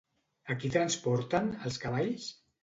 A qui transporten, els cavalls?